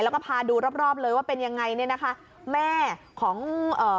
แล้วก็พาดูรอบเลยว่าเป็นอย่างไร